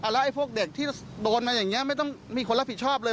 แล้วไอ้พวกเด็กที่โดนมาอย่างนี้ไม่ต้องมีคนรับผิดชอบเลย